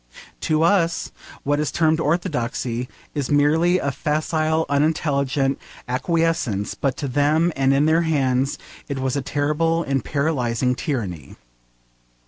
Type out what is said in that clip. To us, what is termed orthodoxy is merely a facile unintelligent acquiescence; but to them, and in their hands, it was a terrible and paralysing tyranny.